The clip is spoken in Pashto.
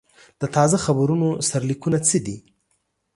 د تازه خبرونو سرلیکونه څه دي؟